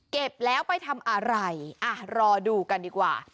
เก็บแล้วไปทำอะไรอ่ะรอดูกันดีกว่า